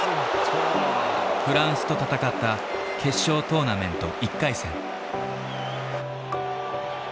フランスと戦った決勝トーナメント１回戦。